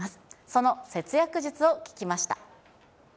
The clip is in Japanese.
その節約術を聞きました。